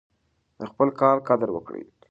د خپل کار قدر وکړئ.